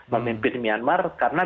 memimpin myanmar karena